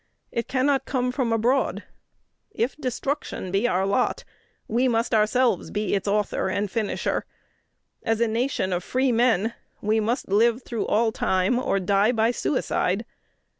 It cannot come from abroad. If destruction be our lot, we must ourselves be its author and finisher. As a nation of freemen, we must live through all time, or die by suicide.